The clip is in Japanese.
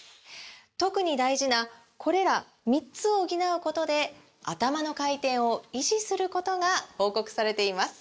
特に大事なこれら３つを補うことでアタマの回転を維持することが報告されています